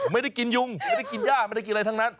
ไม่ได้กินยุงไม่ได้กินย่าไม่ได้กินอะไรทั้งนั้น